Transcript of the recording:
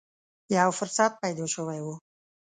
یو فرصت پیدا شوې و